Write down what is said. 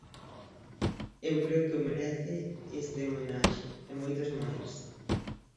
Eu creo que o merece este homenaxe, e moitos máis.